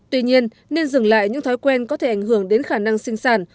tuy nhiên nên dừng lại những thói quen có thể ảnh hưởng đến khả năng sinh sản